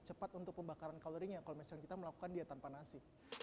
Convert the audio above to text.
cepat untuk pembakaran kalorinya kalau misalnya kita melakukan dia tanpa nasi